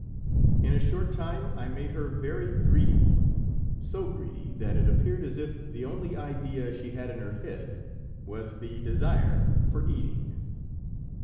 In a short time I made her very greedy, so greedy that it appeared as if the only idea she had in her head was the desire for eating.